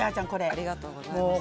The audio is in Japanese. ありがとうございます。